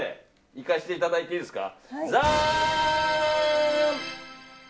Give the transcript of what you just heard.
いかせていただいていいですか？